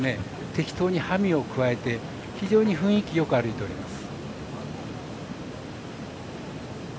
適当にハミをくわえて非常に雰囲気よく歩いています。